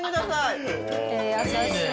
優しい。